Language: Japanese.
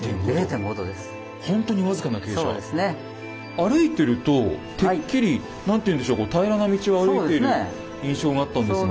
歩いているとてっきり何ていうんでしょうこう平らな道を歩いている印象があったんですが。